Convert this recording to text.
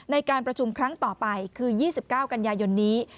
ในการประชุมครั้งต่อไปคือ๒๙กันยายนนี้